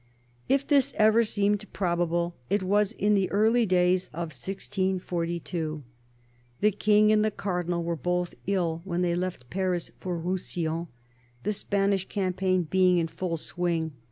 If this ever seemed probable, it was in the early days of 1642. The King and the Cardinal were both ill when they left Paris for Roussillon, the Spanish campaign being in full swing.